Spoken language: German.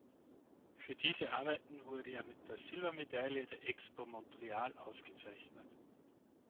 Für diese Arbeiten wurde er mit der Silbermedaille der Expo Montreal ausgezeichnet.